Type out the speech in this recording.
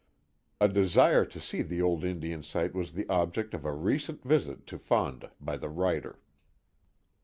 A desire to see the old Indian site was the object of a recent visit to Fonda by the writer.